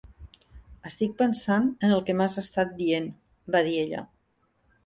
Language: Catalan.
"Estic pensant en el que m'has estat dient", va dir ella.